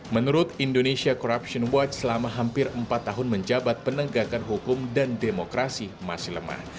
menurut indonesia corruption watch selama hampir empat tahun menjabat penegakan hukum dan demokrasi masih lemah